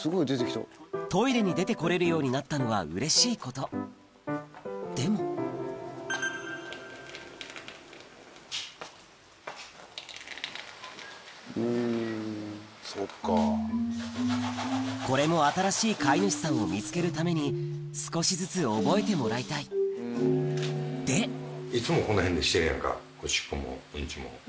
トイレに出て来れるようになったのはうれしいことでもこれも新しい飼い主さんを見つけるために少しずつ覚えてもらいたいでおしっこもうんちも。